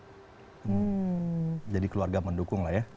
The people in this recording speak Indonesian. jadi itu adalah hal yang keluarga mendukung lah ya